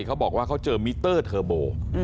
เขาบอกว่าเขาเจอมิเตอร์เทอร์โบ